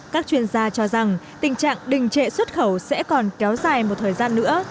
các chuyên gia cho rằng tình trạng đình trệ xuất khẩu sẽ còn kéo dài một thời gian nữa